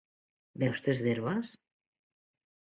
Beus tes d'herbes?